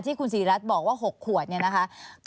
คุณศรีรัตน์บอกว่า๖ขวดเนี่ยนะคะ